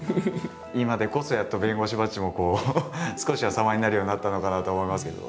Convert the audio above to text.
今でこそやっと弁護士バッジもこう少しは様になるようになったのかなと思いますけど。